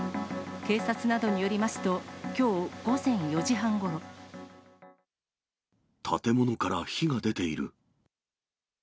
警察などによりますと、建物から火が出ている。